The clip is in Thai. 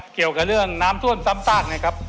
เกี่ยวกับเรื่องน้ำท่วมซ้ำซากนะครับ